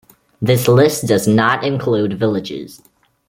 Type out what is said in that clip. This list does not include villages.